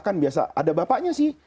kan biasa ada bapaknya sih